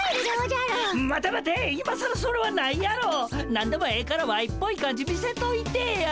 何でもええからワイっぽい感じ見せといてぇや！